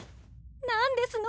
何ですの？